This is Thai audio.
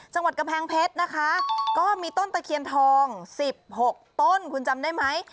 จังหวัดกำแพงเพชรนะคะก็มีต้นตะเคียนทอง๑๖ต้นคุณจำได้ไหม